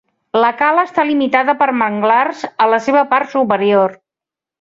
La cala està limitada per manglars a la seva part superior.